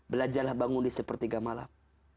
belajarlah bangun di setiap tiga malam